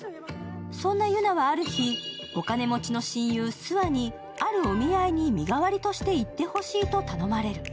そんなユナはある日、お金持ちの親友・スアにあるお見合いに身代わりとして行ってほしいと頼まれる。